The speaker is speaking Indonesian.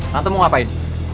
tante mau ngapain